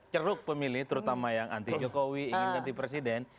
ceruk pemilih terutama yang anti jokowi ingin ganti presiden